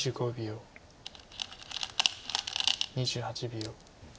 ２８秒。